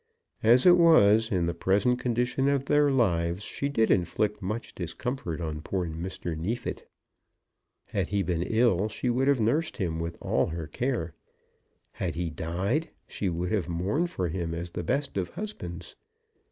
As it was, in the present condition of their lives, she did inflict much discomfort on poor Mr. Neefit. Had he been ill, she would have nursed him with all her care. Had he died, she would have mourned for him as the best of husbands.